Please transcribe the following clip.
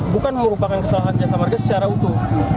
bukan merupakan kesalahan jasa marga secara utuh